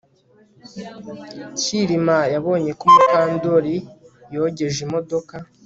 Kirima yabonye ko Mukandoli yogeje imodoka